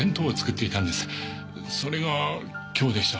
それが今日でした。